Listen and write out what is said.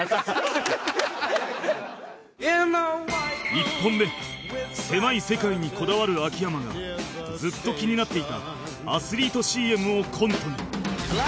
１本目狭い世界にこだわる秋山がずっと気になっていたアスリート ＣＭ をコントに